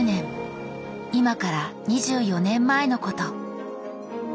今から２４年前のこと。